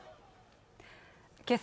けさ